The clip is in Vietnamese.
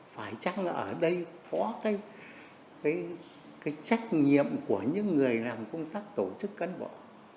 phải chắc là ở đây có cái trách nhiệm của những người làm công tác tổ chức cán bộ